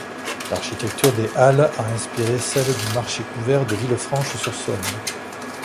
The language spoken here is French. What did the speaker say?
L'architecture des halles a inspiré celle du marché couvert de Villefranche-sur-Saône.